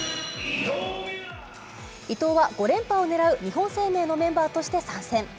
伊藤は５連覇をねらう日本生命のメンバーとして参戦。